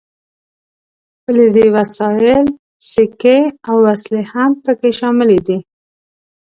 فلزي وسایل سیکې او وسلې هم پکې شاملې دي.